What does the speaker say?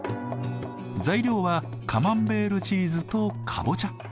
材料はカマンベールチーズとカボチャ。